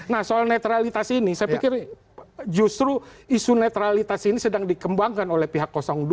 nah soal netralitas ini saya pikir justru isu netralitas ini sedang dikembangkan oleh pihak dua